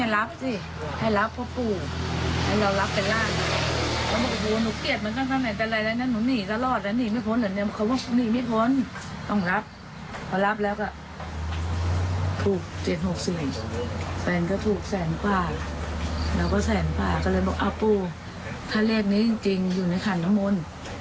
เราก็แสนผ่าก็เลยบอกอ้าวปู่ถ้าเรียกนี้จริงอยู่ในข่านละมนต์